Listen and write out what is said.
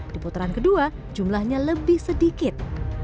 di putaran ke dua jumlahnya lebih sedikit